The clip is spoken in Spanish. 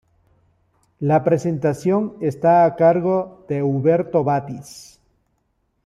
La presentación está a cargo de Huberto Batis.